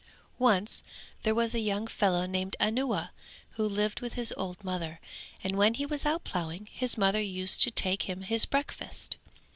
Once there was a young fellow named Anuwa who lived with his old mother, and when he was out ploughing his mother used to take him his breakfast.